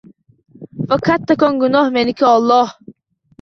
Va kattakon gunoh meniki, Alloh